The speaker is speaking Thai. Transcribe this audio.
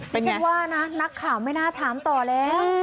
เป็นไงไม่ใช่ว่าน่ะนักข่าวไม่น่าถามต่อแล้ว